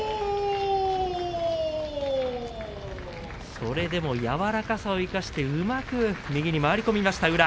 それでも柔らかさを生かしてうまく右に回り込みました宇良。